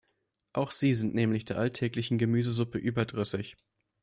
Auch sie sind nämlich der alltäglichen Gemüsesuppe überdrüssig!